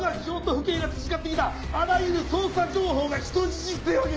府警が培ってきたあらゆる捜査情報が人質ってわけか！